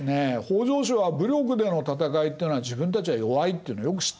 北条氏は武力での戦いっていうのは自分たちは弱いっていうのをよく知ってるわけです。